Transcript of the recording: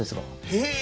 へえ。